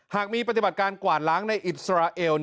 หากมีปฏิบัติการกวาดล้างในอิสราเอล